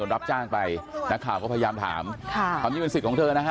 รับจ้างไปนักข่าวก็พยายามถามค่ะความจริงเป็นสิทธิ์ของเธอนะฮะ